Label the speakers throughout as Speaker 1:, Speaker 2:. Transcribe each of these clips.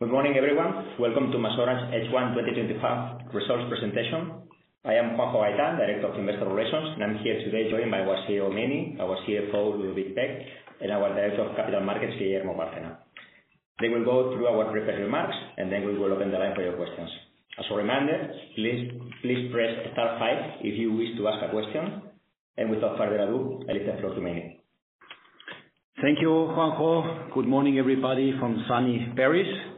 Speaker 1: Good morning, everyone. Welcome to MasOrange H1 2025 results presentation. I am Juan José Gaitán, Director of Investor Relations, and I'm here today joined by our CEO, Meini, our CFO, Ludovic Pech, and our Director of Capital Markets, Guillermo Bárcena. They will go through our briefing remarks, then we will open the line for your questions. As a reminder, please press Star, five if you wish to ask a question. Without further ado, I'll let us go to Meini.
Speaker 2: Thank you, Juanjo. Good morning, everybody, from sunny Paris.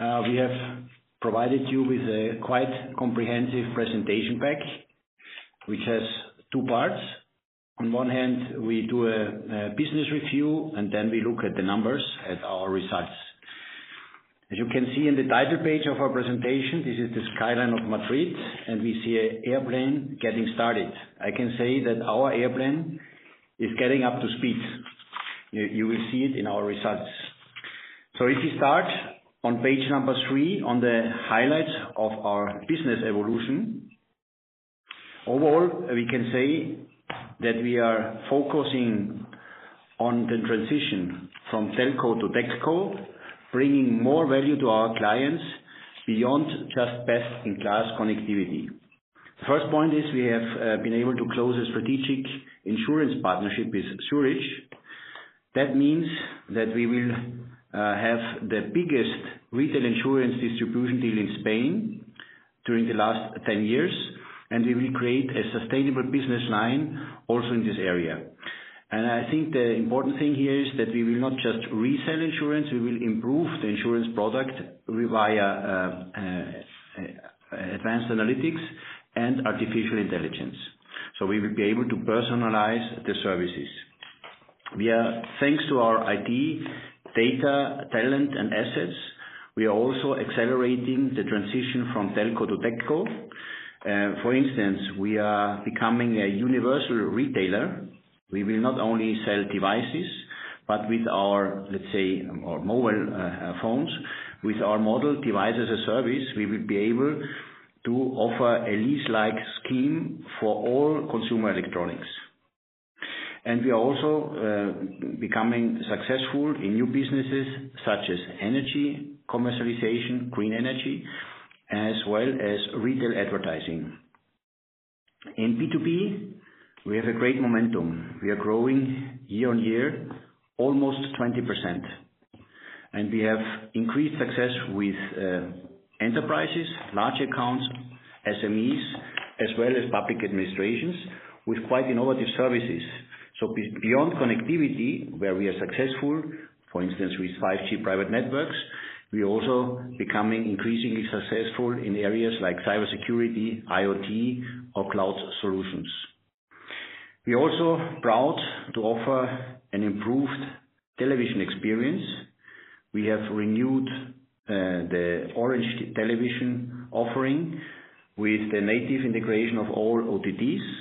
Speaker 2: We have provided you with a quite comprehensive presentation package, which has two parts. On one hand, we do a business review, and then we look at the numbers at our results. As you can see in the title page of our presentation, this is the skyline of Madrid, and we see an airplane getting started. I can say that our airplane is getting up to speed. You will see it in our results. If you start on page number three on the highlights of our business evolution, overall, we can say that we are focusing on the transition from telco to techco, bringing more value to our clients beyond just best-in-class connectivity. The first point is we have been able to close a strategic insurance partnership with Surne. That means that we will have the biggest retail insurance distribution deal in Spain during the last 10 years, and we will create a sustainable business line also in this area. I think the important thing here is that we will not just resell insurance; we will improve the insurance product via advanced analytics and artificial intelligence. We will be able to personalize the services. We are, thanks to our ID, data, talent, and assets, also accelerating the transition from telco to techco. For instance, we are becoming a universal retailer. We will not only sell devices, but with our, let's say, mobile phones, with our device-as-a-service model, we will be able to offer a lease-like scheme for all consumer electronics. We are also becoming successful in new businesses such as energy, commercialization, green energy, as well as retail advertising. In B2B, we have a great momentum. We are growing year on year, almost 20%. We have increased success with enterprises, large accounts, SMEs, as well as public administrations with quite innovative services. Beyond connectivity, where we are successful, for instance, with 5G private networks, we are also becoming increasingly successful in areas like cybersecurity, IoT, or cloud solutions. We are also proud to offer an improved television experience. We have renewed the Orange television offering with the native integration of all OTTs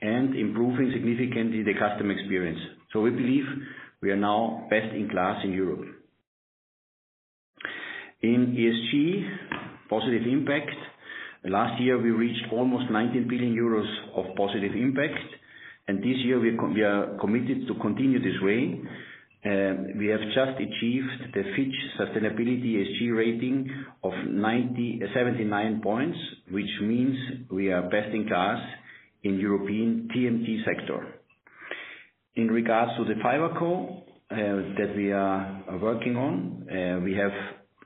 Speaker 2: and improving significantly the customer experience. We believe we are now best in class in Europe. In ESG, positive impact, last year we reached almost 19 billion euros of positive impact, and this year we are committed to continue this way. We have just achieved the Sustainable Fitch ESG rating of 79 points, which means we are best in class in the European TMT sector. In regards to the fiber core that we are working on, we have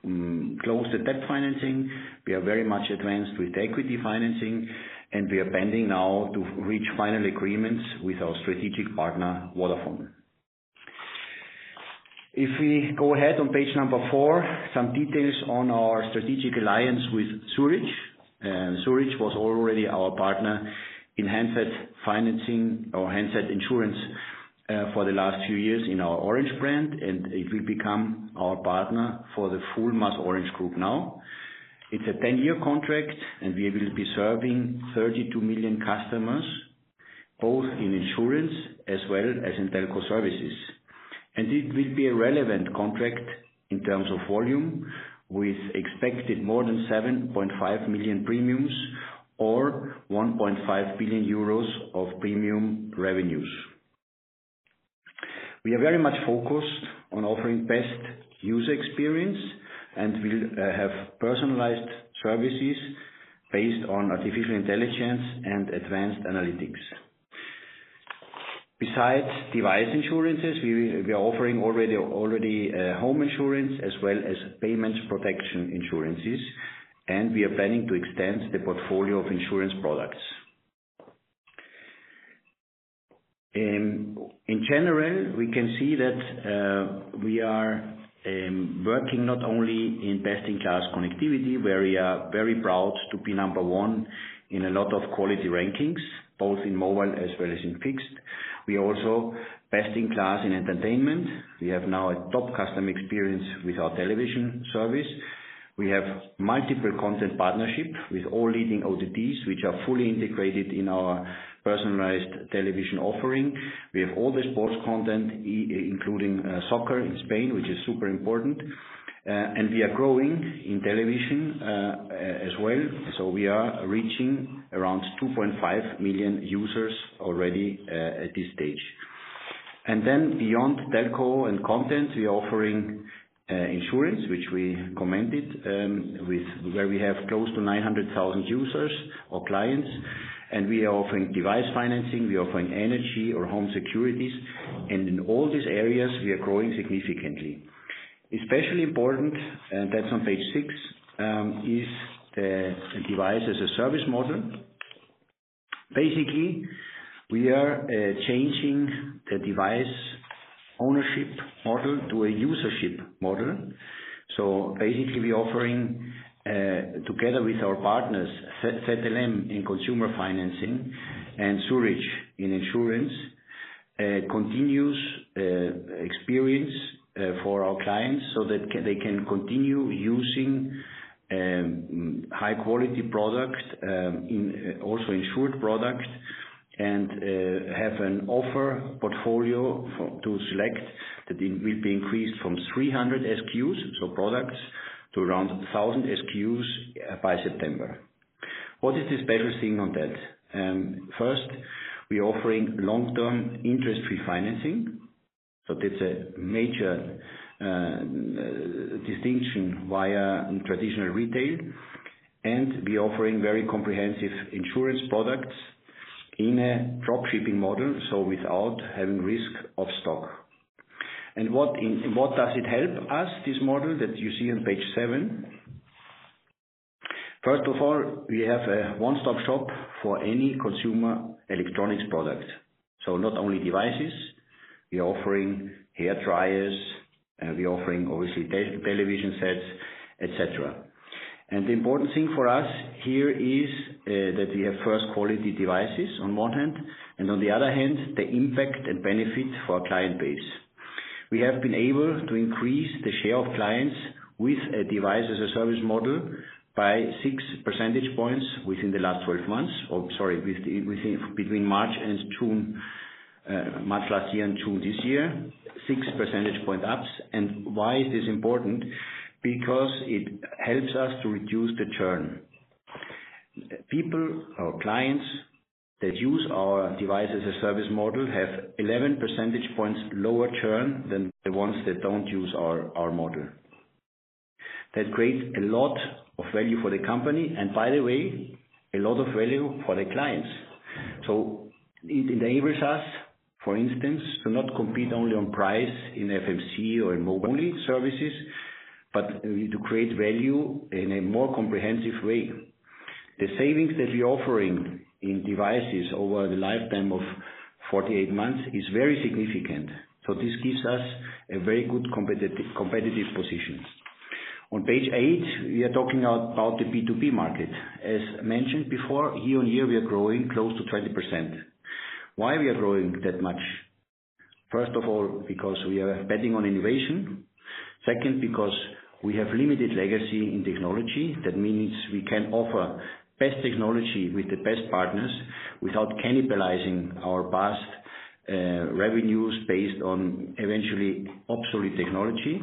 Speaker 2: closed the debt financing. We are very much advanced with equity financing, and we are pending now to reach final agreements with our strategic partner, Vodafone Spain. If we go ahead on page number four, some details on our strategic alliance with Surne. Surne was already our partner in handset financing or handset insurance for the last few years in our Orange brand, and it will become our partner for the full MasOrange group now. It's a 10-year contract, and we will be serving 32 million customers, both in insurance as well as in telco services. It will be a relevant contract in terms of volume, with expected more than 7.5 million premiums or 1.5 billion euros of premium revenues. We are very much focused on offering best user experience and will have personalized services based on artificial intelligence and advanced analytics. Besides device insurances, we are offering already home insurance as well as payment protection insurances, and we are planning to extend the portfolio of insurance products. In general, we can see that we are working not only in best-in-class connectivity, where we are very proud to be number one in a lot of quality rankings, both in mobile as well as in fixed. We are also best in class in entertainment. We have now a top customer experience with our television service. We have multiple content partnerships with all leading OTTs, which are fully integrated in our personalized television offering. We have all the sports content, including soccer in Spain, which is super important. We are growing in television as well. We are reaching around 2.5 million users already at this stage. Beyond telco and content, we are offering insurance, which we commented with, where we have close to 900,000 users or clients. We are offering device financing. We are offering energy or home securities. In all these areas, we are growing significantly. Especially important, and that's on page six, is the device-as-a-service model. Basically, we are changing the device ownership model to a usership model. Basically, we are offering, together with our partners, ZLM in consumer financing and Surne in insurance, continuous experience for our clients so that they can continue using high-quality products, also insured products, and have an offer portfolio to select that will be increased from 300 SKUs, so products, to around 1,000 SKUs by September. What is the special thing on that? First, we are offering long-term interest-free financing. That's a major distinction via traditional retail. We are offering very comprehensive insurance products in a dropshipping model, without having risk of stock. What does it help us, this model that you see on page seven? First of all, we have a one-stop shop for any consumer electronics products. Not only devices, we are offering hair dryers, we are offering, obviously, television sets, etc. The important thing for us here is that we have first-quality devices on one hand, and on the other hand, the impact and benefit for our client base. We have been able to increase the share of clients with a device-as-a-service model by 6 percentage points between March last year and June this year, 6 percentage point ups. Why is this important? It helps us to reduce the churn. People or clients that use our device-as-a-service model have 11 percentage points lower churn than the ones that don't use our model. That creates a lot of value for the company, and by the way, a lot of value for the clients. It enables us, for instance, to not compete only on price in FMC or in mobile only services, but to create value in a more comprehensive way. The savings that we are offering in devices over the lifetime of 48 months is very significant. This gives us a very good competitive position. On page eight, we are talking about the B2B market. As mentioned before, year on year, we are growing close to 20%. Why are we growing that much? First of all, because we are betting on innovation. Second, because we have limited legacy in technology. That means we can offer best technology with the best partners without cannibalizing our past revenues based on eventually obsolete technology.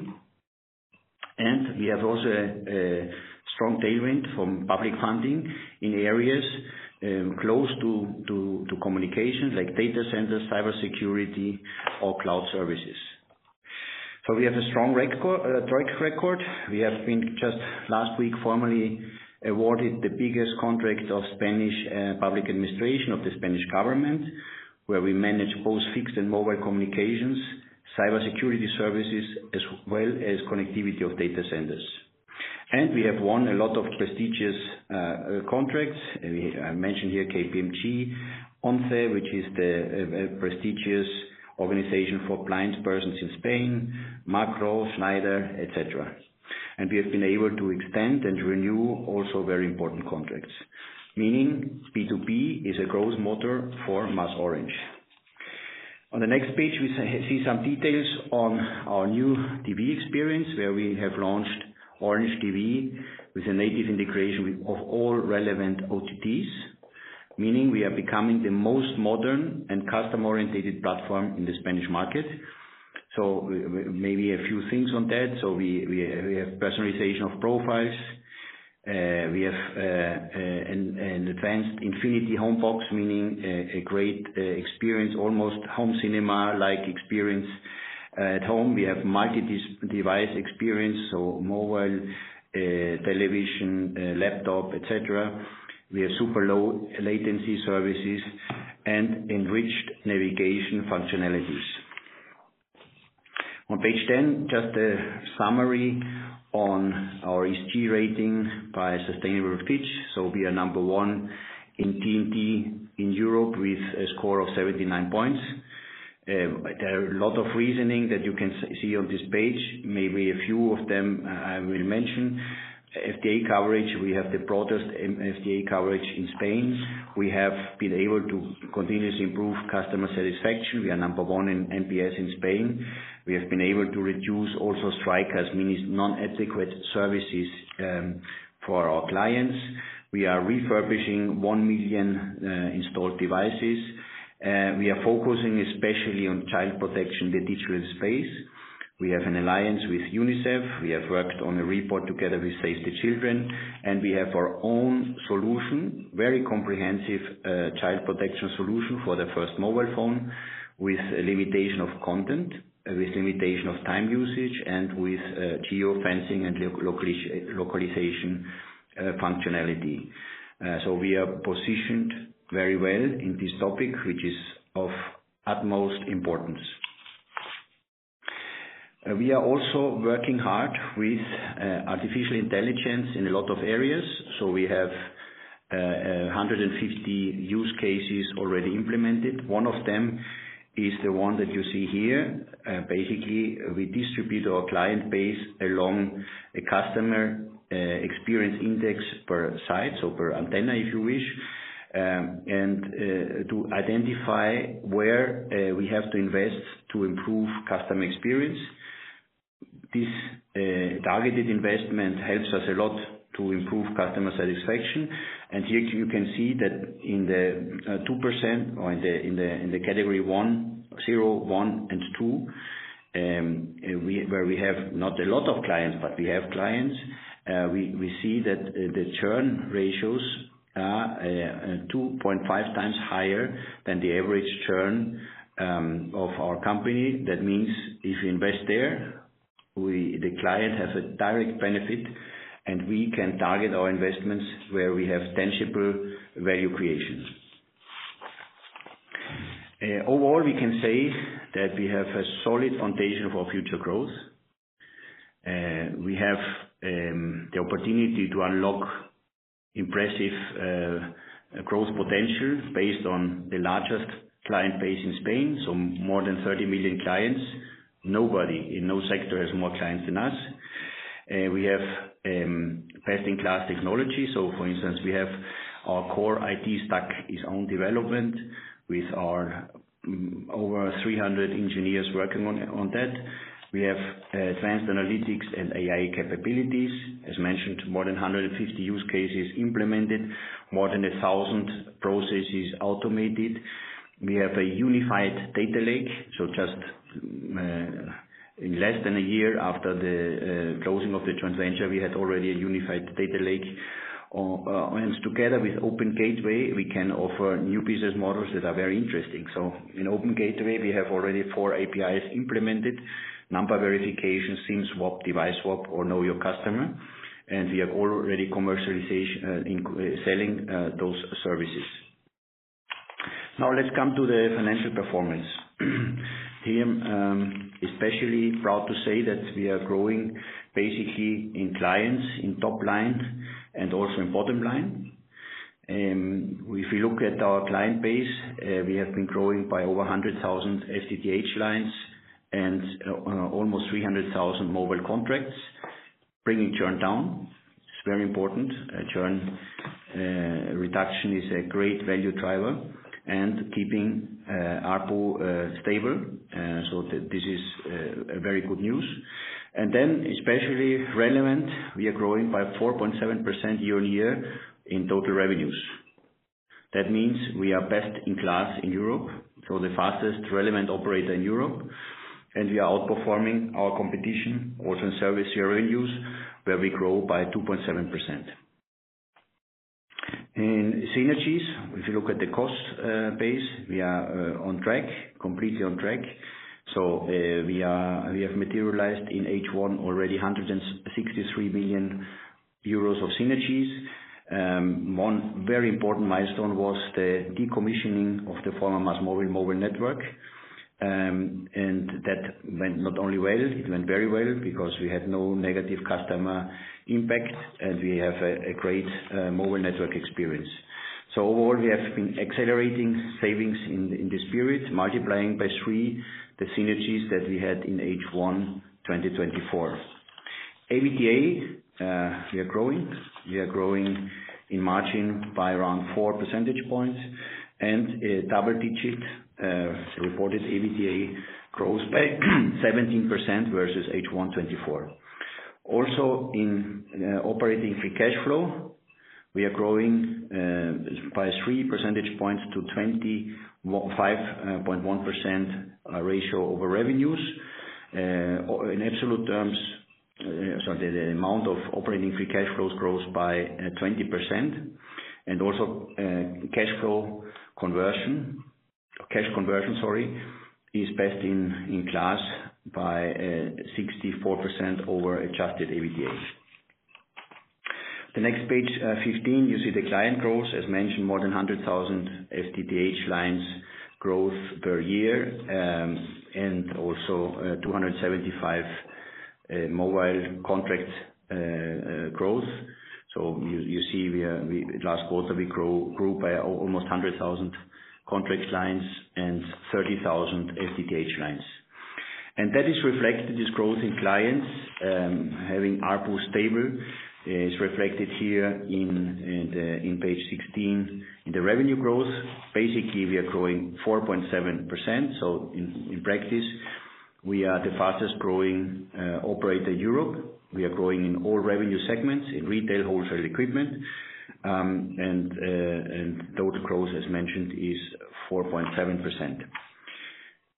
Speaker 2: We have also a strong tailwind from public funding in areas close to communications, like data centers, cybersecurity, or cloud services. We have a strong track record. We have been just last week formally awarded the biggest contract of Spanish public administration of the Spanish government, where we manage both fixed and mobile communications, cybersecurity services, as well as connectivity of data centers. We have won a lot of prestigious contracts. I mentioned here KPMG, ONCE, which is the prestigious organization for blind persons in Spain, Macro, Schneider, etc. We have been able to extend and renew also very important contracts, meaning B2B is a growth motor for MasOrange. On the next page, we see some details on our new TV experience, where we have launched Orange TV with a native integration of all relevant OTTs, meaning we are becoming the most modern and custom-orientated platform in the Spanish market. Maybe a few things on that. We have personalization of profiles. We have an advanced Infinity Home Box, meaning a great experience, almost home cinema-like experience at home. We have multi-device experience, so mobile, television, laptop, etc. We have super low latency services and enriched navigation functionalities. On page 10, just a summary on our ESG rating by Sustainable Fitch. We are number one in TMT in Europe with a score of 79 points. There are a lot of reasoning that you can see on this page. Maybe a few of them I will mention. FTTH coverage, we have the broadest FTTH coverage in Spain. We have been able to continuously improve customer satisfaction. We are number one in NPS in Spain. We have been able to reduce also strikers, meaning non-adequate services for our clients. We are refurbishing 1 million installed devices. We are focusing especially on child protection, the digital space. We have an alliance with UNICEF. We have worked on a report together with Save the Children. We have our own solution, a very comprehensive child protection solution for the first mobile phone with a limitation of content, with a limitation of time usage, and with geofencing and localization functionality. We are positioned very well in this topic, which is of utmost importance. We are also working hard with artificial intelligence in a lot of areas. We have 150 use cases already implemented. One of them is the one that you see here. Basically, we distribute our client base along a customer experience index per site, so per antenna, if you wish, and to identify where we have to invest to improve customer experience. This targeted investment helps us a lot to improve customer satisfaction. Here you can see that in the 2% or in the category one, zero, one, and two, where we have not a lot of clients, but we have clients, we see that the churn ratios are 2.5x higher than the average churn of our company. That means if you invest there, the client has a direct benefit, and we can target our investments where we have tangible value creation. Overall, we can say that we have a solid foundation for future growth. We have the opportunity to unlock impressive growth potential based on the largest client base in Spain, so more than 30 million clients. Nobody in no sector has more clients than us. We have best-in-class technology. For instance, we have our core IT stack is on development with our over 300 engineers working on that. We have advanced analytics and AI capabilities. As mentioned, more than 150 use cases implemented, more than 1,000 processes automated. We have a unified data lake. In less than a year after the closing of the joint venture, we had already a unified data lake. Together with Open Gateway, we can offer new business models that are very interesting. In Open Gateway, we have already four APIs implemented: number verification, SIM swap, device swap, or know your customer. We are already commercializing and selling those services. Now let's come to the financial performance. I am especially proud to say that we are growing basically in clients, in top line, and also in bottom line. If we look at our client base, we have been growing by over 100,000 FTTH lines and almost 300,000 mobile contracts, bringing churn down. It's very important. Churn reduction is a great value driver and keeping ARPU stable. This is very good news. Especially relevant, we are growing by 4.7% year-on-year in total revenues. That means we are best in class in Europe, the fastest relevant operator in Europe. We are outperforming our competition, also in service revenues, where we grow by 2.7%. Synergies, if you look at the cost base, we are on track, completely on track. We have materialized in H1 already 163 million euros of synergies. One very important milestone was the decommissioning of the former MásMóvil network. That went not only well, it went very well because we had no negative customer impact, and we have a great mobile network experience. Overall, we have been accelerating savings in this period, multiplying by three the synergies that we had in H1 2024. Adjusted EBITDA, we are growing. We are growing in margin by around 4 percentage points, and double-digit reported adjusted EBITDA grows by 17% versus H1 2024. Also, in operating free cash flow, we are growing by 3 percentage points to a 25.1% ratio over revenues. In absolute terms, the amount of operating free cash flow grows by 20%. Also, cash flow conversion, cash conversion, is best in class by 64% over adjusted EBITDA. The next page, 15, you see the client growth. As mentioned, more than 100,000 FTTH lines growth per year, and also 275,000 mobile contracts growth. You see last quarter we grew by almost 100,000 contract lines and 30,000 FTTH lines. That is reflected in this growth in clients. Having ARPU stable is reflected here in page 16 in the revenue growth. Basically, we are growing 4.7%. In practice, we are the fastest growing operator in Europe. We are growing in all revenue segments, in retail, wholesale, and equipment. Total growth, as mentioned, is 4.7%.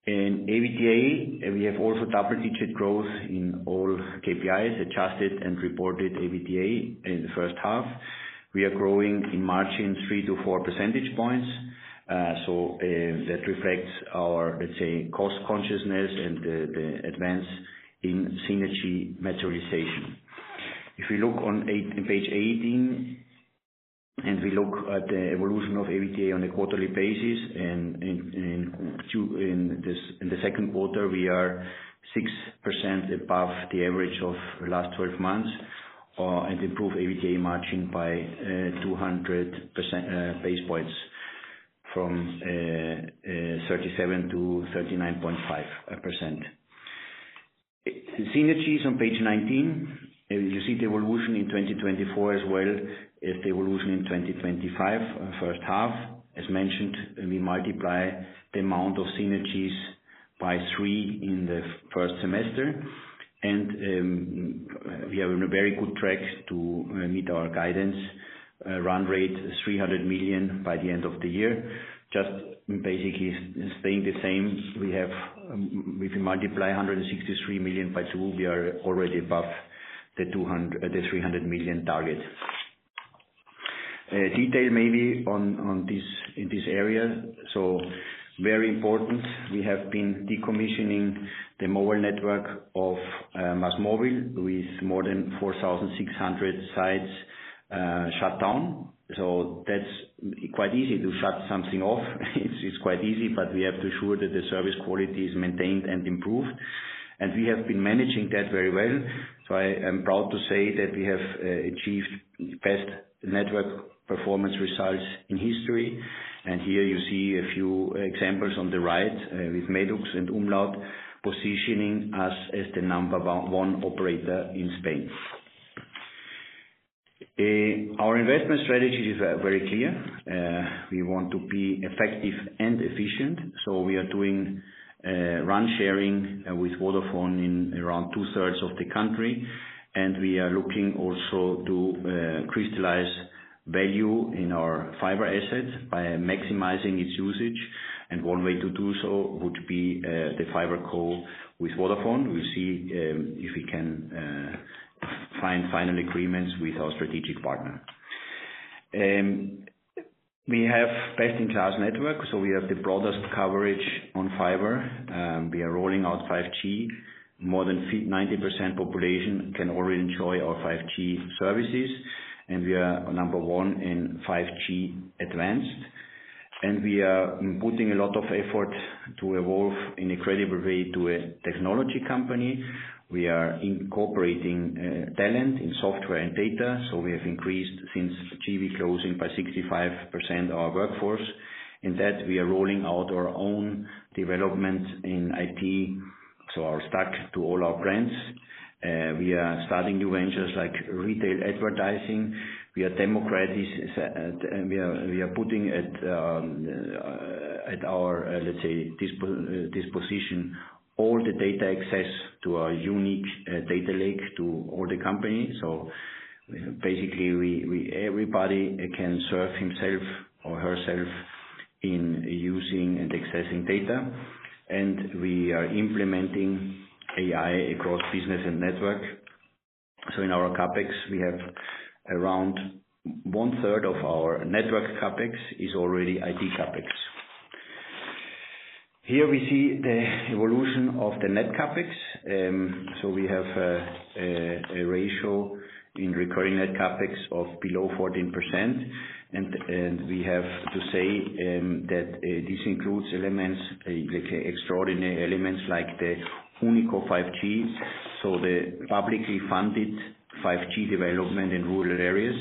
Speaker 2: In adjusted EBITDA, we have also double-digit growth in all KPIs, adjusted and reported EBITDA in the first half. We are growing in margins 3 to 4 percentage points. That reflects our, let's say, cost consciousness and the advance in synergy materialization. If we look on page 18 and we look at the evolution of EBITDA on a quarterly basis, in the second quarter, we are 6% above the average of the last 12 months and improve EBITDA margin by 200 basis points from 37% to 39.5%. Synergies on page 19, you see the evolution in 2024 as well as the evolution in 2025 first half. As mentioned, we multiply the amount of synergies by three in the first semester. We are on a very good track to meet our guidance run rate of 300 million by the end of the year. Just basically staying the same, if you multiply 163 million by two, we are already above the 300 million target. Detail maybe on this in this area. Very important, we have been decommissioning the mobile network of MásMóvil with more than 4,600 sites shut down. That is quite easy to shut something off. It's quite easy, but we have to assure that the service quality is maintained and improved. We have been managing that very well. I am proud to say that we have achieved the best network performance results in history. Here you see a few examples on the right with Madox and Umlaut positioning us as the number one operator in Spain. Our investment strategy is very clear. We want to be effective and efficient. We are doing run sharing with Vodafone in around two-thirds of the country. We are looking also to crystallize value in our fiber assets by maximizing its usage. One way to do so would be the fiber core with Vodafone. We will see if we can find final agreements with our strategic partner. We have best-in-class networks. We have the broadest coverage on fiber. We are rolling out 5G. More than 90% of the population can already enjoy our 5G services. We are number one in 5G advanced. We are putting a lot of effort to evolve in a credible way to a technology company. We are incorporating talent in software and data. We have increased since GB closing by 65% our workforce. In that, we are rolling out our own development in IT, our stack to all our brands. We are starting new ventures like retail advertising. We are democratizing. We are putting at our, let's say, disposition all the data access to our unique data lake to all the company. Basically, everybody can serve himself or herself in using and accessing data. We are implementing AI across business and network. In our CapEx, we have around one-third of our network CapEx is already IT CapEx. Here we see the evolution of the net CapEx. We have a ratio in recurring net CapEx of below 14%. We have to say that this includes elements, like extraordinary elements like the Funico 5G, the publicly funded 5G development in rural areas.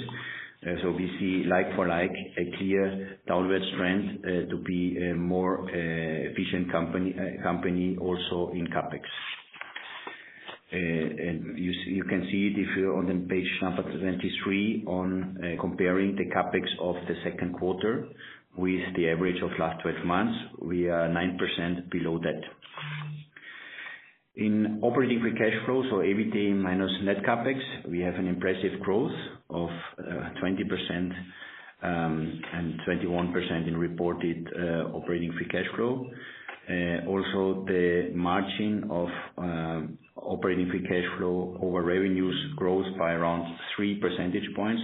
Speaker 2: We see, like for like, a clear downward trend to be a more efficient company also in CapEx. You can see it if you are on page number 23 comparing the CapEx of the second quarter with the average of the last 12 months, we are 9% below that. In operating free cash flow, so adjusted EBITDA minus net CapEx, we have an impressive growth of 20% and 21% in reported operating free cash flow. Also, the margin of operating free cash flow over revenues grows by around 3 percentage points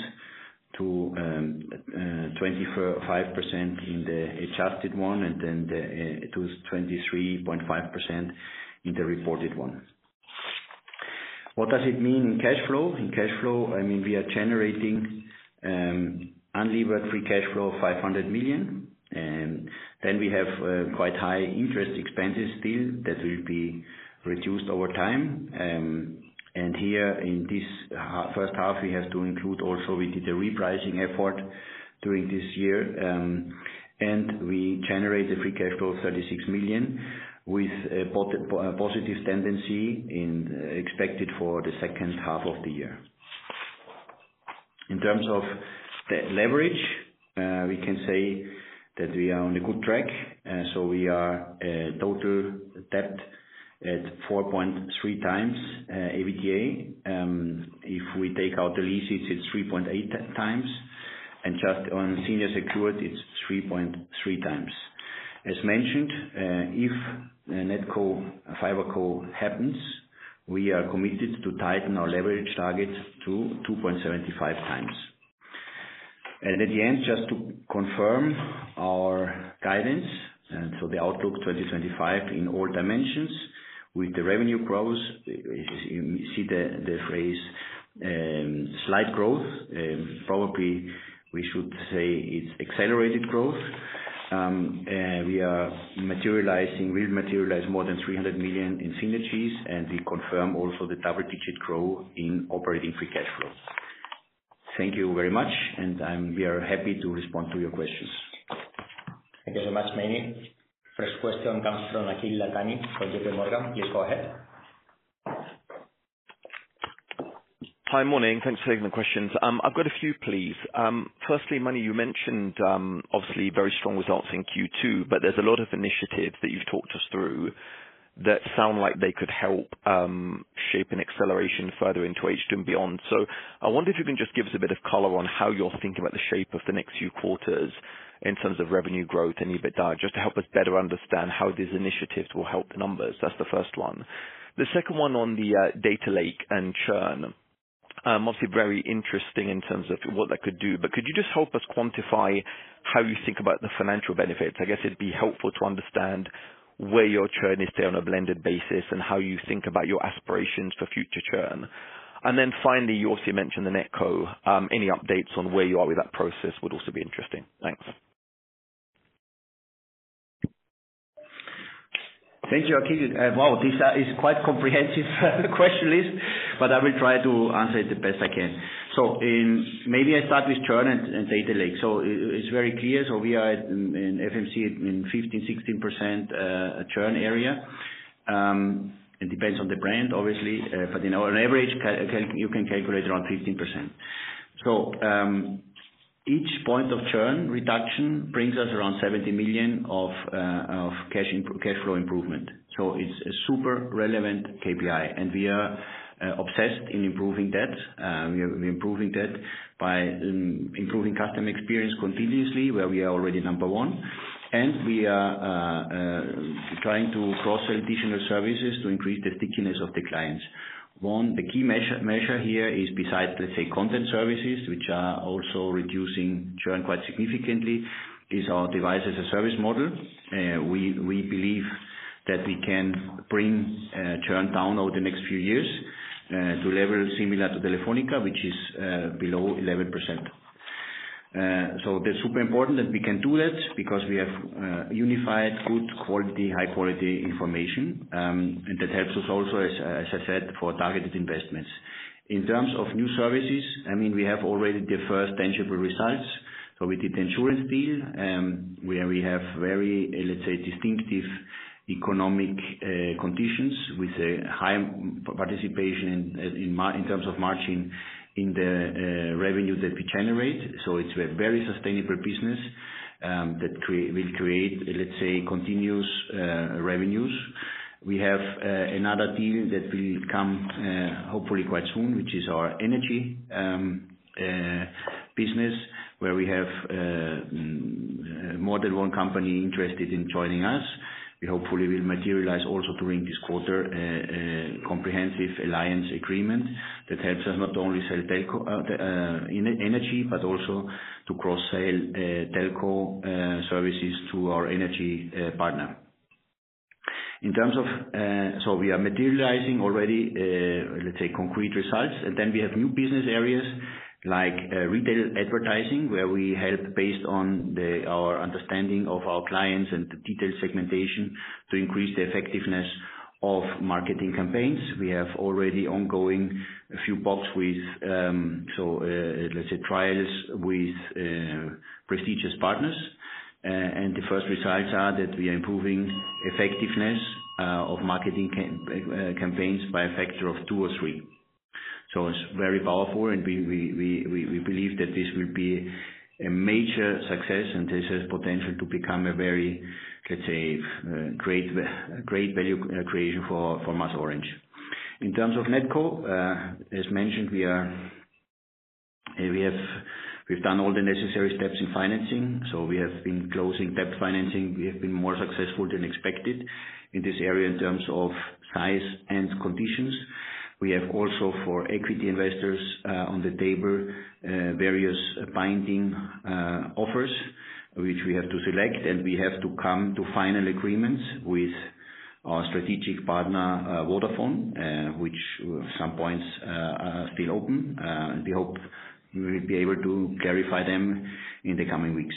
Speaker 2: to 25% in the adjusted one and then to 23.5% in the reported one. What does it mean in cash flow? In cash flow, we are generating unlevered free cash flow of 500 million. Then we have quite high interest expenses still that will be reduced over time. Here in this first half, we have to include also we did a repricing effort during this year. We generate a free cash flow of 36 million with a positive tendency expected for the second half of the year. In terms of debt leverage, we can say that we are on a good track. We are at total debt at 4.3x adjusted EBITDA. If we take out the leases, it's 3.8x. On senior secured, it's 3.3x. As mentioned, if NetCo fiber core happens, we are committed to tighten our leverage targets to 2.75x. At the end, just to confirm our guidance, the Outlook 2025 in all dimensions, with the revenue growth, you see the phrase "slight growth." Probably we should say it's accelerated growth. We are materializing, will materialize more than 300 million in synergies, and we confirm also the double-digit growth in operating free cash flow. Thank you very much, and we are happy to respond to your questions.
Speaker 1: Thank you so much, Meini. First question comes from Akhil Dattani from J.P. Morgan.. Please go ahead.
Speaker 3: Hi, morning. Thanks for taking the questions. I've got a few, please. Firstly, Meini, you mentioned obviously very strong results in Q2, but there's a lot of initiatives that you've talked us through that sound like they could help shape an acceleration further into H2 and beyond. I wonder if you can just give us a bit of color on how you're thinking about the shape of the next few quarters in terms of revenue growth and EBITDA, just to help us better understand how these initiatives will help the numbers. That's the first one. The second one on the data lake and churn, mostly very interesting in terms of what that could do. Could you just help us quantify how you think about the financial benefits? I guess it'd be helpful to understand where your churn is on a blended basis and how you think about your aspirations for future churn. Finally, you also mentioned the NetCo. Any updates on where you are with that process would also be interesting. Thanks.
Speaker 2: Thank you, Akhil. Wow, this is quite a comprehensive question list, but I will try to answer it the best I can. Maybe I start with churn and data lake. It's very clear. We are in FMC in 15%-16% churn area. It depends on the brand, obviously, but on average, you can calculate around 15%. Each point of churn reduction brings us around $70 million of cash flow improvement. It's a super relevant KPI, and we are obsessed in improving that. We're improving that by improving customer experience continuously, where we are already number one. We are trying to broaden additional services to increase the stickiness of the clients. One key measure here is, besides content services, which are also reducing churn quite significantly, our device-as-a-service model. We believe that we can bring churn down over the next few years to a level similar to Telefónica, which is below 11%. It's super important that we can do that because we have unified, good quality, high-quality information. That helps us also, as I said, for targeted investments. In terms of new services, we have already the first tangible results. We did the insurance deal, where we have very distinctive economic conditions with a high participation in terms of margin in the revenue that we generate. It's a very sustainable business that will create continuous revenues. We have another deal that will come hopefully quite soon, which is our energy business, where we have more than one company interested in joining us. We hopefully will materialize also during this quarter a comprehensive alliance agreement that helps us not only sell energy but also to cross-sell telco services to our energy partner. We are materializing already concrete results. We have new business areas like retail advertising, where we help, based on our understanding of our clients and the detailed segmentation, to increase the effectiveness of marketing campaigns. We have already ongoing a few pilots with prestigious partners. The first results are that we are improving effectiveness of marketing campaigns by a factor of two or three. It's very powerful, and we believe that this will be a major success, and there's a potential to become a very great value creation for MasOrange. In terms of NetCo as mentioned, we have done all the necessary steps in financing. We have been closing debt financing. We have been more successful than expected in this area in terms of size and conditions. We have also, for equity investors on the table, various binding offers, which we have to select. We have to come to final agreements with our strategic partner, Vodafone, which some points are still open. We hope we will be able to clarify them in the coming weeks.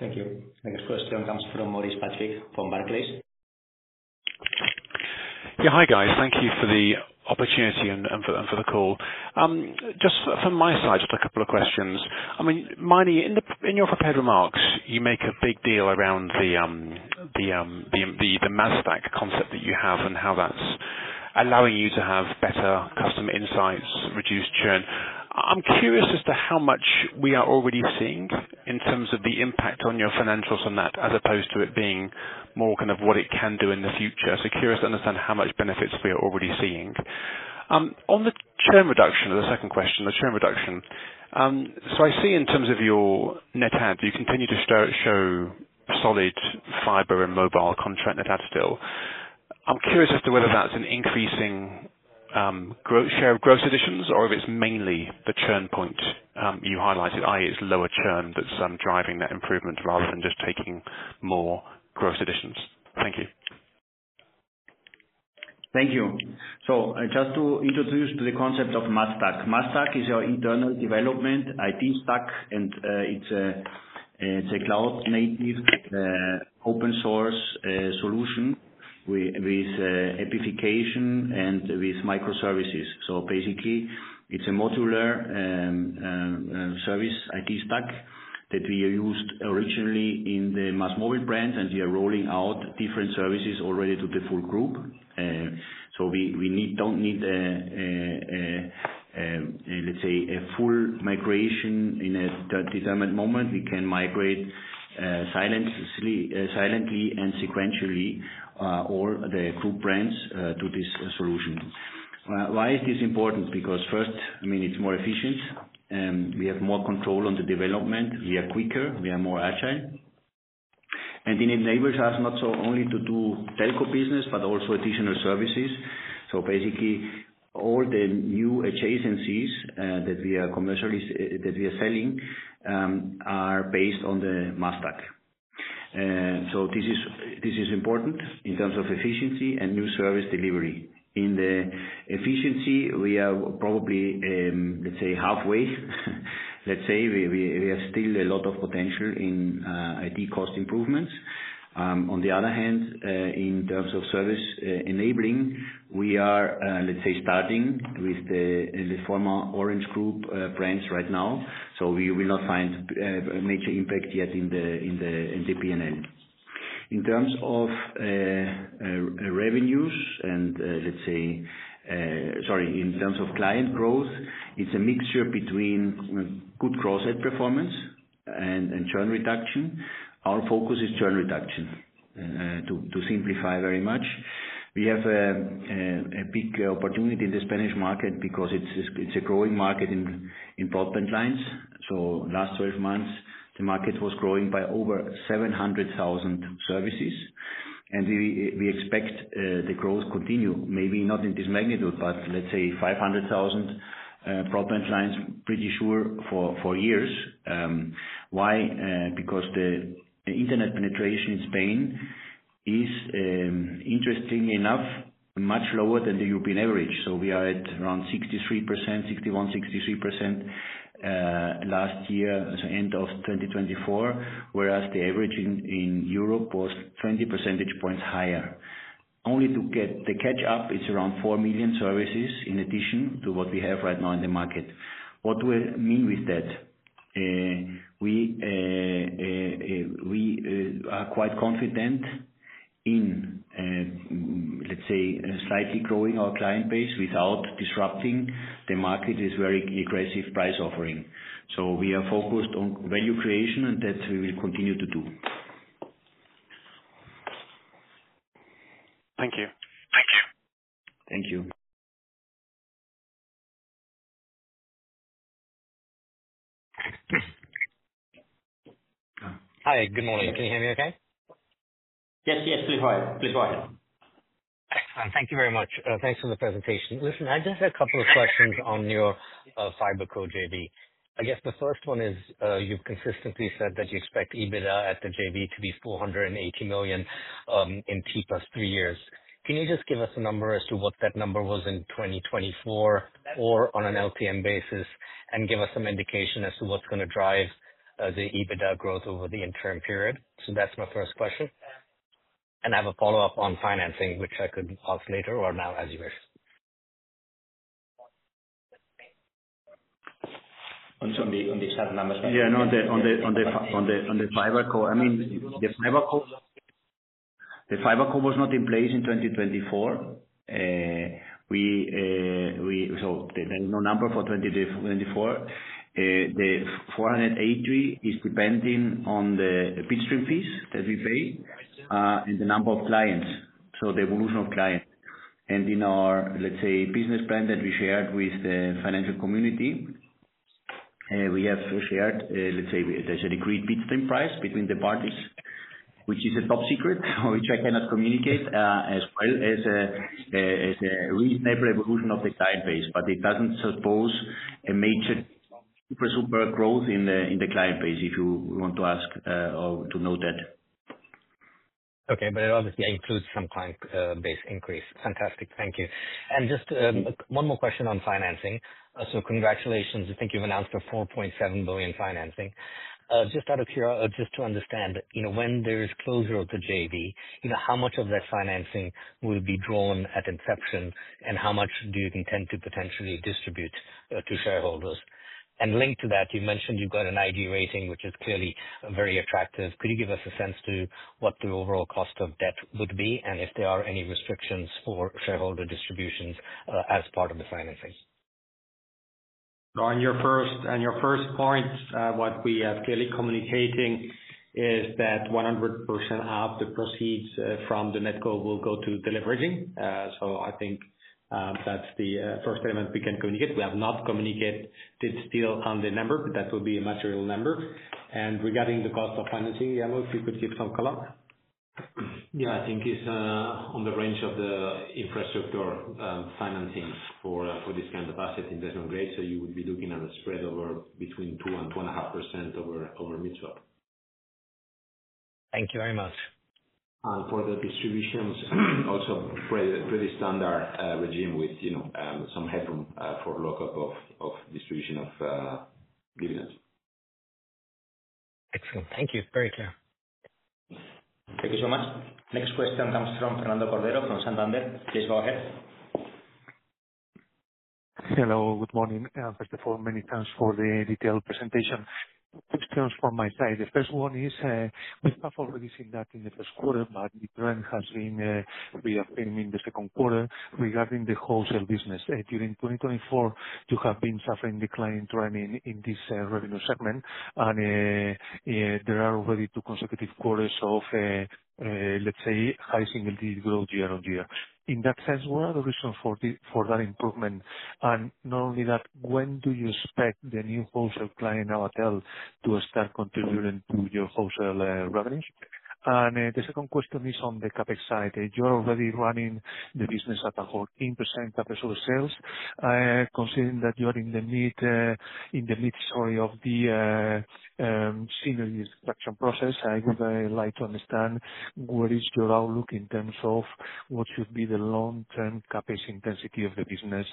Speaker 1: Thank you. I guess the first question comes from Maurice Patrick from Barclays.
Speaker 4: Yeah. Hi guys. Thank you for the opportunity and for the call. Just from my side, just a couple of questions. I mean, Meini, in your prepared remarks, you make a big deal around the MasStack concept that you have and how that's allowing you to have better customer insights, reduced churn. I'm curious as to how much we are already seeing in terms of the impact on your financials on that, as opposed to it being more kind of what it can do in the future. Curious to understand how much benefits we are already seeing. On the churn reduction, the second question, the churn reduction, I see in terms of your net add, you continue to show solid fiber and mobile contract net add still. I'm curious as to whether that's an increasing share of gross additions or if it's mainly the churn point you highlighted, i.e., it's lower churn that's driving that improvement rather than just taking more gross additions. Thank you.
Speaker 2: Thank you. Just to introduce the concept of MasStack. MasStack is our internal development IT stack, and it's a cloud-native open-source solution with application and with microservices. Basically, it's a modular service IT stack that we used originally in the MásMóvil brand, and we are rolling out different services already to the full group. We don't need, let's say, a full migration at a determined moment. We can migrate silently and sequentially all the group brands to this solution. Why is this important? First, it's more efficient. We have more control on the development. We are quicker. We are more agile. It enables us not only to do telco business, but also additional services. All the new adjacencies that we are selling are based on the MasStack. This is important in terms of efficiency and new service delivery. In the efficiency, we are probably, let's say, halfway. We have still a lot of potential in IT cost improvements. On the other hand, in terms of service enabling, we are starting with the former Orange Group brands right now. We will not find a major impact yet in the P&L. In terms of revenues and, let's say, in terms of client growth, it's a mixture between good growth at performance and churn reduction. Our focus is churn reduction, to simplify very much. We have a big opportunity in the Spanish market because it's a growing market in broadband lines. In the last 12 months, the market was growing by over 700,000 services. We expect the growth to continue, maybe not in this magnitude, but 500,000 broadband lines, pretty sure for years. The internet penetration in Spain is, interestingly enough, much lower than the European average. We are at around 61%, 63% last year, so end of 2024, whereas the average in Europe was 20 percentage points higher. Only to get the catch-up, it's around 4 million services in addition to what we have right now in the market. What do we mean with that? We are quite confident in slightly growing our client base without disrupting the market with very aggressive price offering. We are focused on value creation, and that we will continue to do.
Speaker 3: Thank you.
Speaker 2: Thank you. Hi. Good morning. Can you hear me okay? Yes, yes. Please go ahead. Thank you very much. Thanks for the presentation. Listen, I just have a couple of questions on your fiber core JV. I guess the first one is you've consistently said that you expect EBITDA at the JV to be $480 million in T plus three years. Can you just give us a number as to what that number was in 2024 or on an LTM basis, and give us some indication as to what's going to drive the EBITDA growth over the interim period? That's my first question. I have a follow-up on financing, which I could ask later or now, as you wish. On the churn numbers? Yeah, no, on the fiber core. The fiber core was not in place in 2024, so there's no number for 2024. The 483 is depending on the bitstream fees that we pay and the number of clients, so the evolution of clients. In our, let's say, business plan that we shared with the financial community, we have shared, let's say, the agreed bitstream price between the parties, which is a top secret, which I cannot communicate, as well as a reasonable evolution of the client base. It doesn't suppose a major super, super growth in the client base, if you want to ask or to know that. Okay. It obviously includes some client base increase. Fantastic. Thank you. Just one more question on financing. Congratulations. I think you've announced a 4.7 billion financing. Just out of here, just to understand, when there's closure of the JV, how much of that financing will be drawn at inception and how much do you intend to potentially distribute to shareholders? Linked to that, you mentioned you've got an ID rating, which is clearly very attractive. Could you give us a sense to what the overall cost of debt would be and if there are any restrictions for shareholder distributions as part of the financing? On your first point, what we are clearly communicating is that 100% of the proceeds from the NetCo will go to deleveraging. I think that's the first element we can communicate. We have not communicated it still on the number, but that will be a material number. Regarding the cost of financing, Guillermo, if you could give some color. I think it's in the range of the infrastructure financing for this kind of asset investment grade. You would be looking at a spread over between 2% and 2.5% over mid-shelf. Thank you very much. For the distributions, also a pretty standard regime with some headroom for lockup of distribution of dividends.
Speaker 1: Excellent. Thank you. It's very clear. Thank you so much. Next question comes from Fernando Cordero from Santander. Please go ahead.
Speaker 5: Hello. Good morning. First of all, many thanks for the detailed presentation. Two questions from my side. The first one is we have already seen that in the first quarter, but the trend has been reappearing in the second quarter regarding the wholesale business. During 2024, you have been suffering a declining trend in this revenue segment. There are already two consecutive quarters of, let's say, high single-digit growth year on year. In that sense, what are the reasons for that improvement? Not only that, when do you expect the new wholesale client now to start contributing to your wholesale revenues? The second question is on the CapEx side. You are already running the business at a 14% CapEx over sales. Considering that you are in the midst of the synergies production process, I would like to understand what is your outlook in terms of what should be the long-term CapEx intensity of the business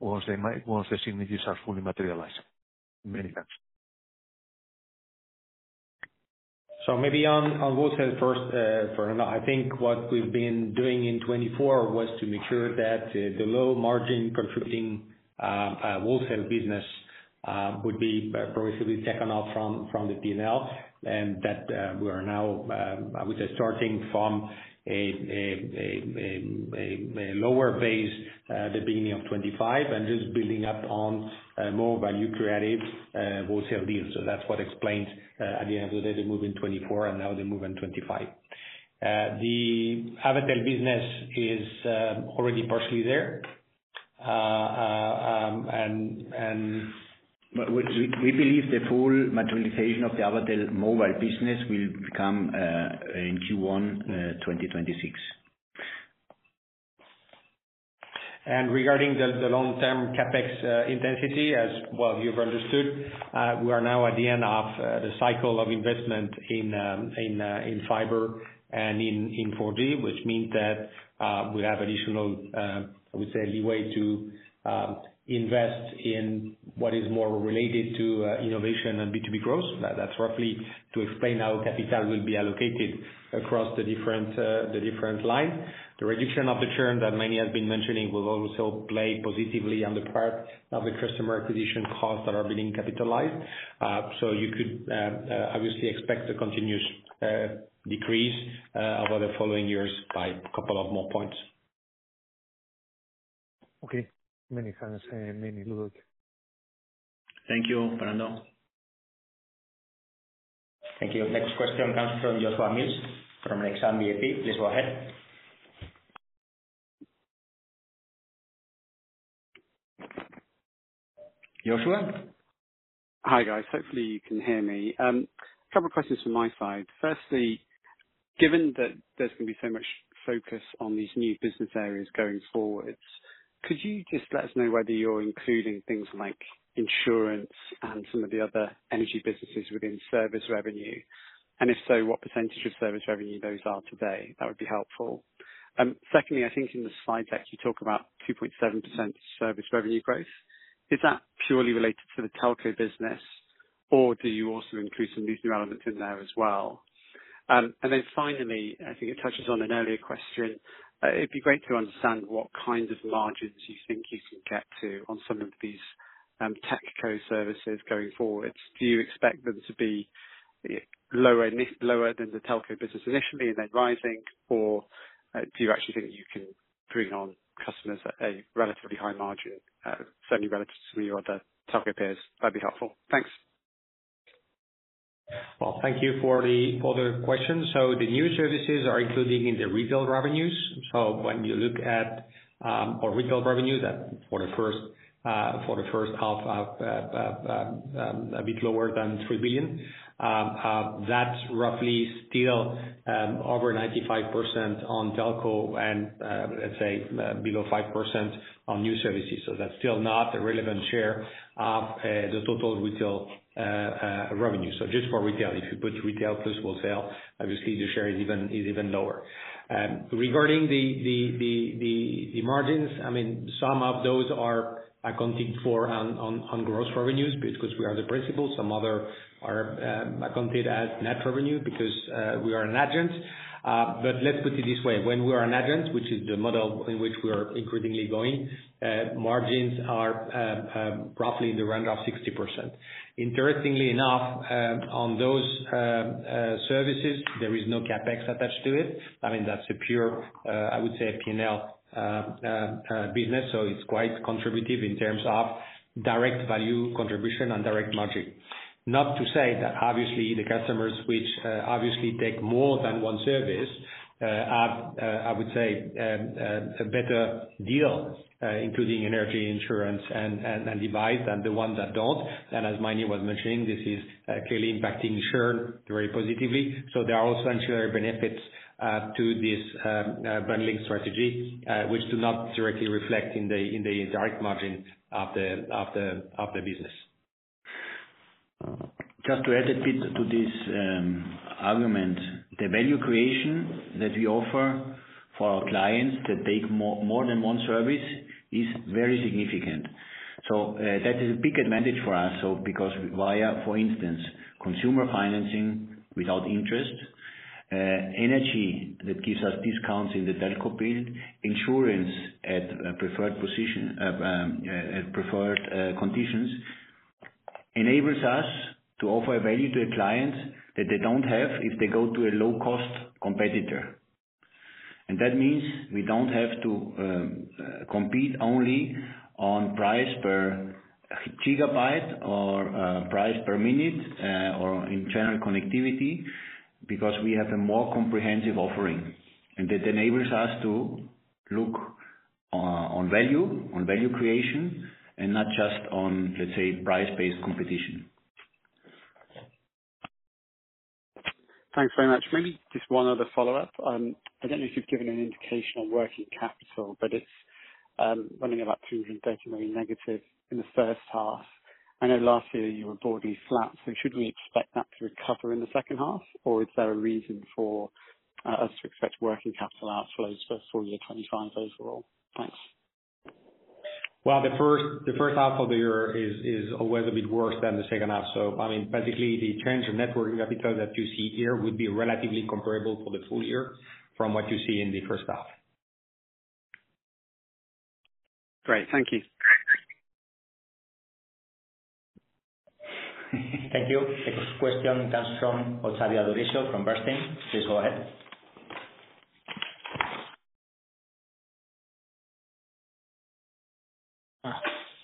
Speaker 5: once the synergies are fully materialized?
Speaker 2: Maybe on wholesale first, Fernando, I think what we've been doing in 2024 was to make sure that the low margin contributing wholesale business would be progressively taken out from the P&L. We are now, I would say, starting from a lower base at the beginning of 2025 and just building up on more value-creative wholesale deals. That's what explains, at the end of the day, the move in 2024 and now the move in 2025. The Avatel business is already partially there and we believe the full materialization of the Avatel mobile business will become in Q1 2026. Regarding the long-term CapEx intensity, as well you've understood, we are now at the end of the cycle of investment in fiber and in 4G, which means that we have additional, I would say, leeway to invest in what is more related to innovation and B2B growth. That's roughly to explain how capital will be allocated across the different lines. The reduction of the churn that Meini has been mentioning will also play positively on the part of the customer acquisition costs that are being capitalized. You could obviously expect a continuous decrease over the following years by a couple of more points.
Speaker 5: Okay. Many thanks, Meini.
Speaker 1: Thank you, Fernando. Thank you. Next question comes from Joshua Mill from Nexam BP. Please go ahead, Joshua.
Speaker 6: Hi guys. Hopefully, you can hear me. A couple of questions from my side. Firstly, given that there's going to be so much focus on these new business areas going forward, could you just let us know whether you're including things like insurance and some of the other energy businesses within service revenue? If so, what percentage of service revenue those are today? That would be helpful. Secondly, I think in the slide deck, you talk about 2.7% service revenue growth. Is that purely related to the telco business, or do you also include some of these new elements in there as well? Finally, I think it touches on an earlier question. It'd be great to understand what kind of margins you think you can get to on some of these techco services going forward. Do you expect them to be lower than the telco business initially and then rising, or do you actually think you can bring on customers at a relatively high margin, certainly relative to some of your other telco peers? That'd be helpful. Thanks.
Speaker 2: Thank you for the question. The new services are included in the retail revenues. When you look at our retail revenue for the first half, a bit lower than $3 billion, that's roughly still over 95% on telco and, let's say, below 5% on new services. That's still not the relevant share of the total retail revenue. Just for retail, if you put retail plus wholesale, obviously, the share is even lower. Regarding the margins, some of those are accounted for on gross revenues because we are the principal. Some others are accounted as net revenue because we are an agent. Let's put it this way. When we are an agent, which is the model in which we are increasingly going, margins are roughly in the round of 60%. Interestingly enough, on those services, there is no CapEx attached to it. That's a pure, I would say, P&L business. It's quite contributive in terms of direct value contribution and direct margin. Not to say that, obviously, the customers which obviously take more than one service have, I would say, a better deal, including energy, insurance, and device, than the ones that don't. As Meini was mentioning, this is clearly impacting churn very positively. There are also insurer benefits to this bundling strategy, which do not directly reflect in the direct margin of the business. Just to add a bit to this argument, the value creation that we offer for our clients that take more than one service is very significant. That is a big advantage for us because we are, for instance, consumer financing without interest, energy that gives us discounts in the telco bill, insurance at preferred conditions enables us to offer a value to a client that they don't have if they go to a low-cost competitor. That means we don't have to compete only on price per gigabyte or price per minute or internal connectivity because we have a more comprehensive offering. That enables us to look on value, on value creation, and not just on, let's say, price-based competition.
Speaker 6: Thanks very much. Maybe just one other follow-up. I don't know if you've given an indication on working capital, but it's running about 230 million negative in the first half. I know last year you were broadly flat. Should we expect that to recover in the second half, or is there a reason for us to expect working capital outflows for year 2025 overall? Thanks.
Speaker 2: The first half of the year is always a bit worse than the second half. I mean, basically, the change in networking capital that you see here would be relatively comparable for the full year from what you see in the first half.
Speaker 6: Great. Thank you.
Speaker 1: Thank you. Next question comes from Ottavio Adorisio from Bernstein.. Please go ahead.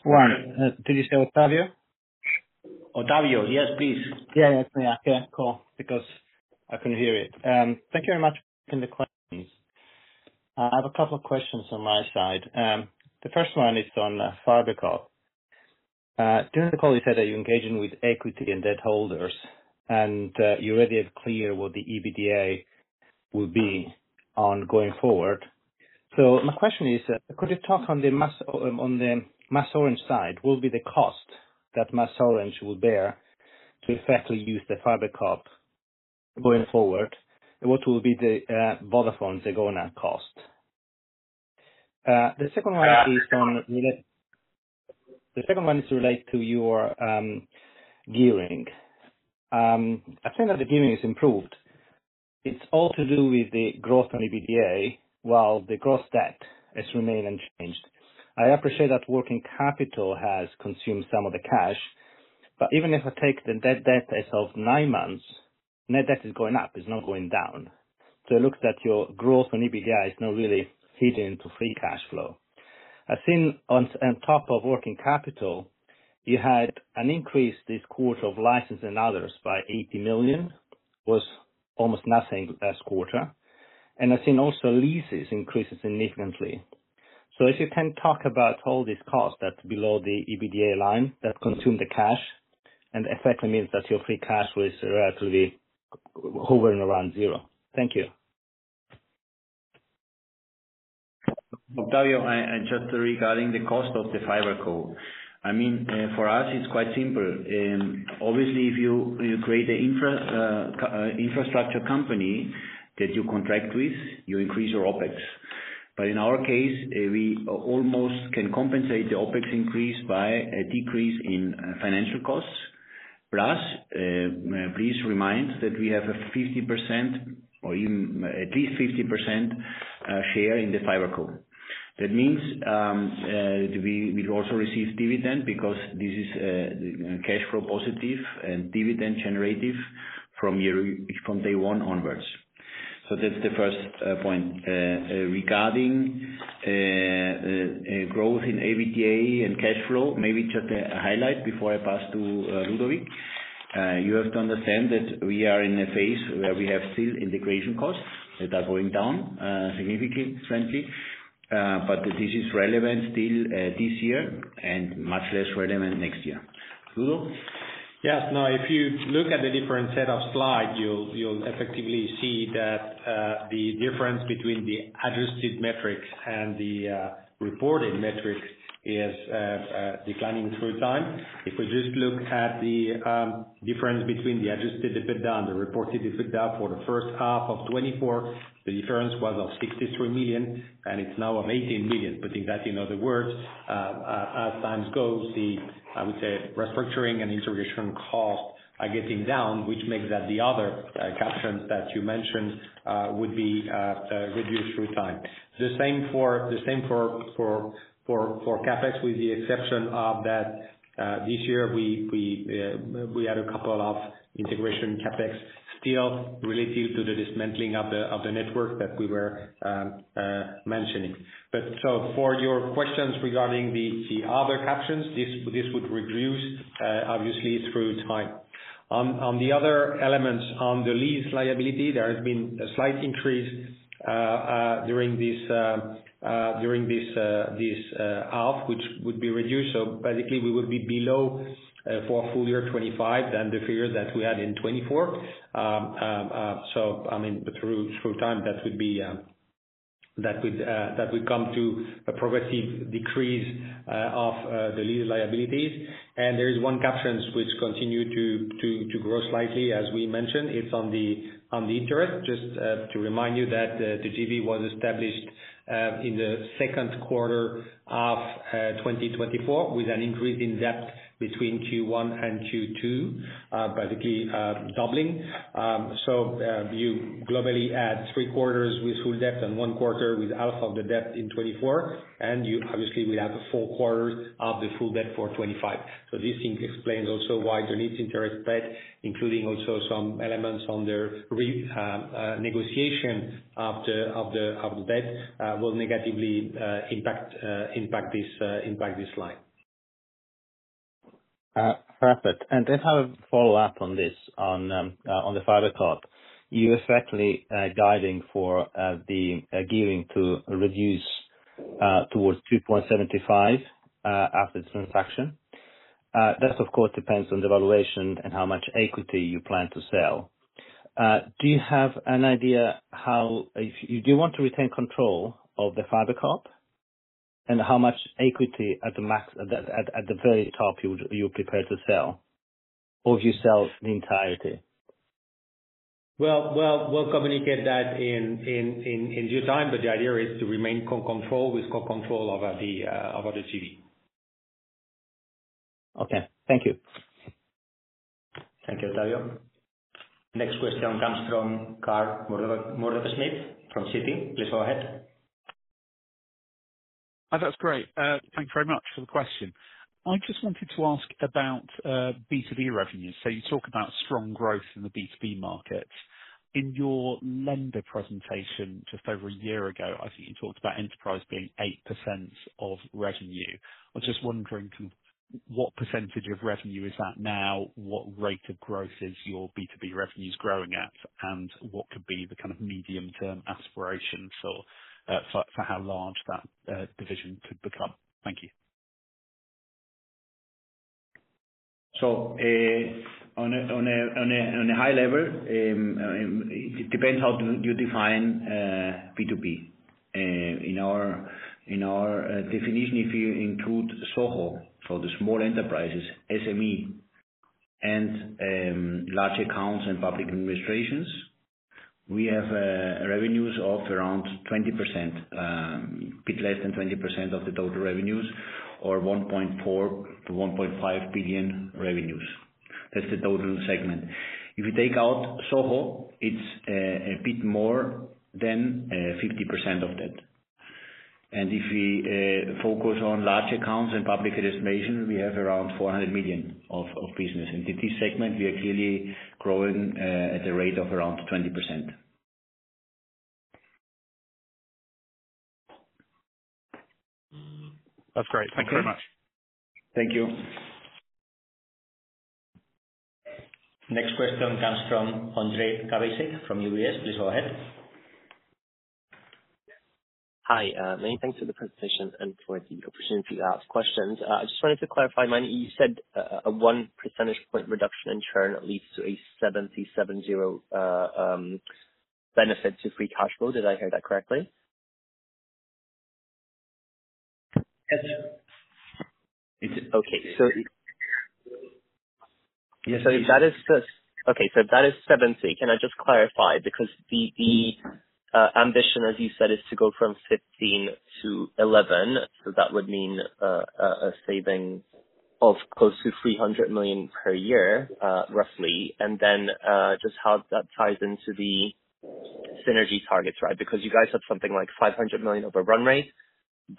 Speaker 7: Right. Did you say Ottavio?
Speaker 1: Ottavio, yes, please.
Speaker 7: Yeah, yeah, it's me. I can't call because I couldn't hear it. Thank you very much for the questions. I have a couple of questions on my side. The first one is on fiber core. During the call, you said that you're engaging with equity and debt holders, and you already have clear what the EBITDA will be on going forward. My question is, could you talk on the MasOrange side? What will be the cost that MasOrange will bear to effectively use the fiber core going forward? What will be the Vodafone and second one cost? The second one is related to your gearing. I think that the gearing has improved. It's all to do with the growth on EBITDA, while the gross debt has remained unchanged. I appreciate that working capital has consumed some of the cash, but even if I take the net debt as of nine months, net debt is going up. It's not going down. It looks that your growth on EBITDA is not really feeding into free cash flow. I've seen on top of working capital, you had an increase this quarter of license and others by $80 million. It was almost nothing last quarter. I've seen also leases increase significantly. If you can talk about all these costs that below the EBITDA line that consume the cash and effectively mean that your free cash flow is relatively hovering around zero. Thank you.
Speaker 1: Ottavio, just regarding the cost of the fiber core. I mean, for us, it's quite simple. Obviously, if you create an infrastructure company that you contract with, you increase your OpEx. In our case, we almost can compensate the OpEx increase by a decrease in financial costs. Plus, please remind that we have a 50% or even at least 50% share in the fiber core. That means we will also receive dividend because this is cash flow positive and dividend generative from day one onwards. That's the first point regarding growth in EBITDA and cash flow. Maybe just a highlight before I pass to Ludovic. You have to understand that we are in a phase where we have still integration costs that are going down significantly, but this is relevant still this year and much less relevant next year. Ludo?
Speaker 8: Yes. Now, if you look at the different set of slides, you'll effectively see that the difference between the adjusted metrics and the reported metrics is declining through time. If we just look at the difference between the adjusted EBITDA and the reported EBITDA for the first half of 2024, the difference was $63 million, and it's now $18 million. Putting that in other words, as times go, I would say, restructuring and integration costs are getting down, which makes that the other captions that you mentioned would be reduced through time. The same for CapEx, with the exception that this year we had a couple of integration CapEx still related to the dismantling of the networks that we were mentioning. For your questions regarding the other captions, this would reduce, obviously, through time. On the other elements, on the lease liability, there has been a slight increase during this half, which would be reduced. Basically, we would be below for a full year 2025 than the figure that we had in 2024. I mean, through time, that would come to a progressive decrease of the lease liabilities. There is one caption which continued to grow slightly, as we mentioned. It's on the interest, just to remind you that the JV was established in the second quarter of 2024 with an increase in debt between Q1 and Q2, basically doubling. You globally add three quarters with full debt and one quarter with half of the debt in 2024. You obviously will have four quarters of the full debt for 2025. This explains also why the net interest debt, including also some elements on the renegotiation of the debt, will negatively impact this line.
Speaker 7: Perfect. I have a follow-up on this, on the fiber core. You're effectively guiding for the gearing to reduce towards 2.75 after the transaction. That, of course, depends on the valuation and how much equity you plan to sell. Do you have an idea how you do want to retain control of the fiber core and how much equity at the max, at the very top, you're prepared to sell? Do you sell the entirety?
Speaker 2: We'll communicate that in due time, but the idea is to remain in control with core control over the JV.
Speaker 7: Okay. Thank you.
Speaker 1: Thank you, Ottavio. Next question comes from Karl Mordekeschmidt from Citi. Please go ahead.
Speaker 9: That's great. Thanks very much for the question. I just wanted to ask about B2B revenue. You talk about strong growth in the B2B market. In your lender presentation just over a year ago, I think you talked about enterprise being 8% of revenue. I was just wondering, kind of what percentage of revenue is that now? What rate of growth is your B2B revenues growing at? What could be the kind of medium-term aspirations for how large that division could become? Thank you.
Speaker 2: At a high level, it depends how you define B2B. In our definition, if you include SOHO for the small enterprises, SME, and large accounts and public administrations, we have revenues of around 20%, a bit less than 20% of the total revenues, or 1.4 billion-1.5 billion revenues. That's the total segment. If you take out SOHO, it's a bit more than 50% of that. If we focus on large accounts and public administrations, we have around 400 million of business. In this segment, we are clearly growing at a rate of around 20%.
Speaker 9: That's great. Thanks very much.
Speaker 2: Thank you.
Speaker 10: Next question comes from Andrei Kavaisek from UBS. Please go ahead.
Speaker 11: Hi. Many thanks for the presentations and for the opportunity to ask questions. I just wanted to clarify, Meini, you said a 1% reduction in churn leads to a 70, 70 benefit to free cash flow. Did I hear that correctly?
Speaker 2: Yes.
Speaker 11: Okay. So Okay. That is 70. Can I just clarify? Because the ambition, as you said, is to go from 15 to 11. That would mean a saving of close to 300 million per year, roughly. How does that tie into the synergy targets, right? You guys had something like 500 million over run rate.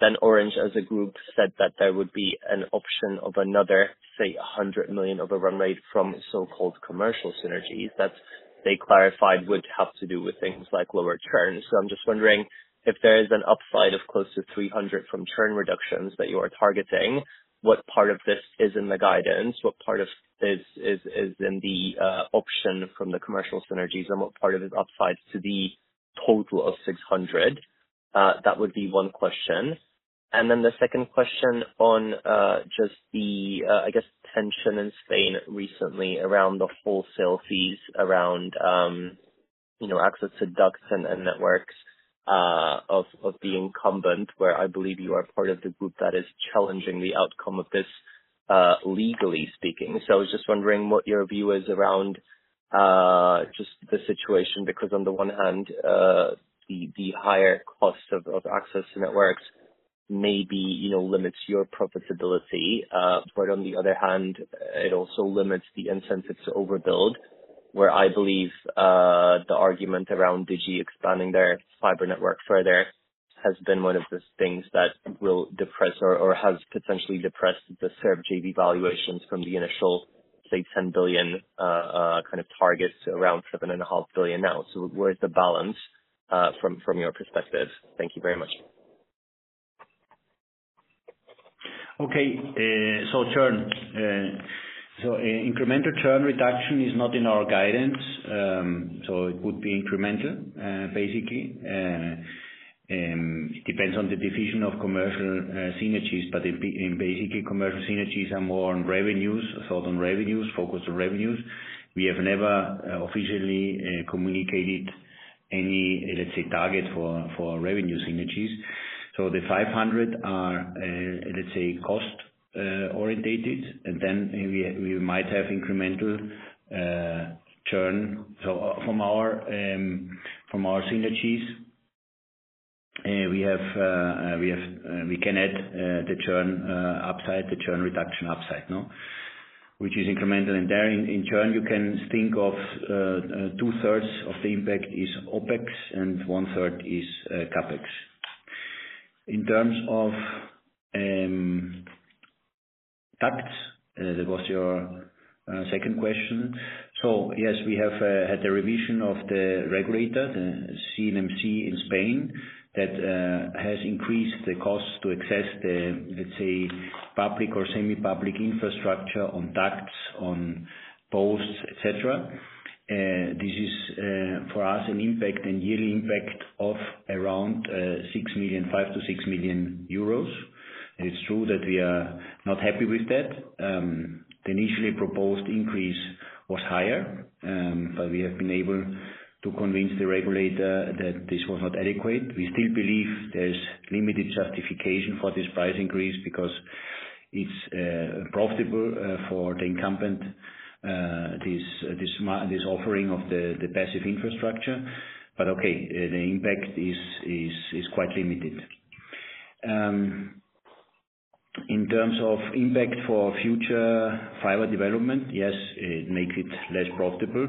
Speaker 11: Then Orange SA, as a group, said that there would be an option of another, say, 100 million over run rate from so-called commercial synergies that they clarified would have to do with things like lower churn. I'm just wondering if there is an upside of close to 300 million from churn reductions that you are targeting. What part of this is in the guidance? What part of this is in the option from the commercial synergies? What part of it upsides to the total of 600 million? That would be one question. The second question is on the tension in Spain recently around the wholesale fees, around access to ducts and networks of the incumbent, where I believe you are part of the group that is challenging the outcome of this, legally speaking. I was just wondering what your view is around the situation because on the one hand, the higher cost of access to networks maybe limits your profitability. On the other hand, it also limits the incentive to overbuild, where I believe the argument around Digi expanding their fiber network further has been one of the things that will depress or has potentially depressed the fiber core joint venture valuations from the initial, say, 10 billion kind of targets to around 7.5 billion now. Where's the balance from your perspective? Thank you very much.
Speaker 2: Okay. Churn. Incremental churn reduction is not in our guidance. It would be incremental, basically. It depends on the division of commercial synergies, but commercial synergies are more focused on revenues. We have never officially communicated any target for revenue synergies. The 500 are cost-oriented, and then we might have incremental churn. From our synergies, we can add the churn upside, the churn reduction upside, which is incremental. In churn, you can think of two-thirds of the impact as OpEx and 1/3 as CapEx. In terms of DACT, that was your second question. Yes, we have had a revision of the regulator, the CNMC in Spain, that has increased the cost to access the public or semi-public infrastructure on DACT, on POS, etc. This is for us an impact and yearly impact of around 5-million 6 million euros. It's true that we are not happy with that. The initially proposed increase was higher, but we have been able to convince the regulator that this was not adequate. We still believe there's limited justification for this price increase because it's profitable for the incumbent, this offering of the passive infrastructure. The impact is quite limited. In terms of impact for future fiber development, it makes it less profitable.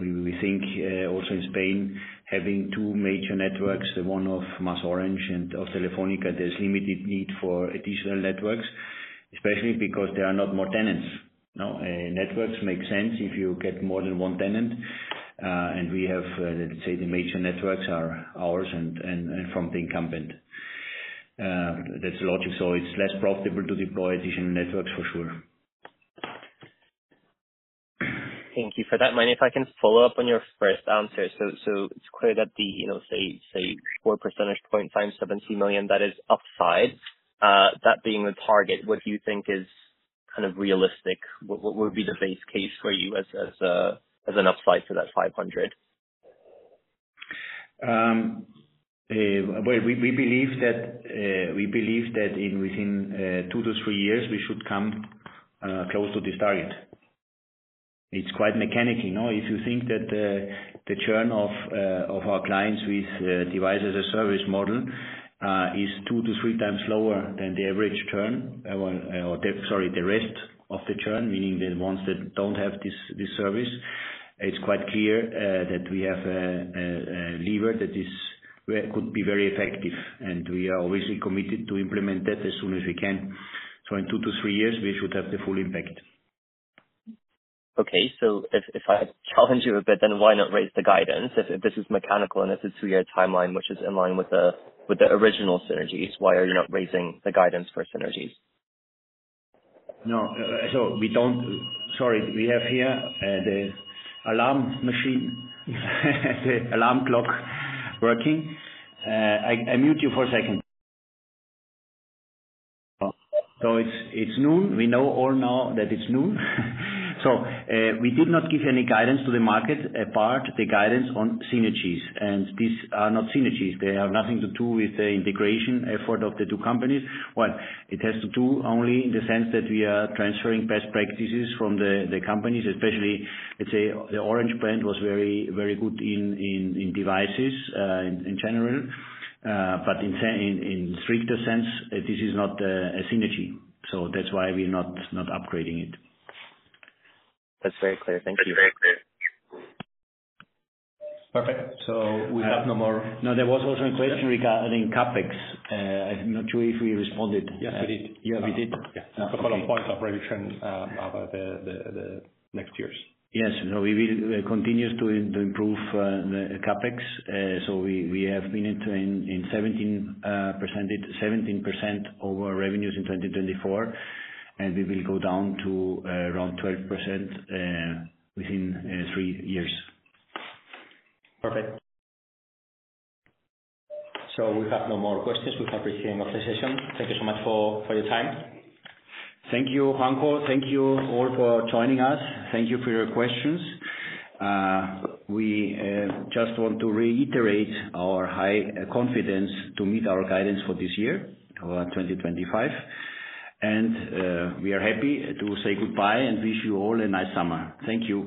Speaker 2: We think also in Spain, having two major networks, the one of MasOrange and of Telefónica, there's limited need for additional networks, especially because there are not more tenants. Networks make sense if you get more than one tenant. The major networks are ours and from the incumbent. That's the logic. It's less profitable to deploy additional networks, for sure.
Speaker 11: Thank you for that. Meini, if I can follow up on your first answer. It's clear that the, you know, 4% points times 70 million, that is upside. That being the target, what do you think is kind of realistic? What would be the base case for you as an upside for that 500?
Speaker 2: We believe that within two to three years, we should come close to this target. It's quite mechanical. If you think that the churn of our clients with device-as-a-service model is two to three times lower than the average churn, or, sorry, the rest of the churn, meaning the ones that don't have this service, it's quite clear that we have a lever that could be very effective. We are obviously committed to implement that as soon as we can. In two to three years, we should have the full impact.
Speaker 11: Okay. If I challenge you a bit, then why not raise the guidance? If this is mechanical and if it's a two-year timeline, which is in line with the original synergies, why are you not raising the guidance for synergies?
Speaker 2: No, we don't. Sorry, we have here the alarm machine, the alarm clock working. I mute you for a second. It's noon. We know all now that it's noon. We did not give any guidance to the market apart from the guidance on synergies. These are not synergies. They have nothing to do with the integration effort of the two companies. It has to do only in the sense that we are transferring best practices from the companies, especially, let's say, the Orange brand was very, very good in devices in general. In a stricter sense, this is not a synergy. That's why we're not upgrading it.
Speaker 11: That's very clear. Thank you.
Speaker 10: Perfect. We have no more. No, there was also a question regarding CapEx. I'm not sure if we responded.
Speaker 3: Yes, we did. The bottom points operation are the next year's.
Speaker 1: Yes. We will continue to improve the CAPEX. We have been in 17% over revenues in 2024, and we will go down to around 12% within three years.
Speaker 3: Perfect.
Speaker 10: We have no more questions. We've appreciated enough the session. Thank you so much for your time.
Speaker 2: Thank you, Janko. Thank you all for joining us. Thank you for your questions. We just want to reiterate our high confidence to meet our guidance for this year, 2025. We are happy to say goodbye and wish you all a nice summer. Thank you.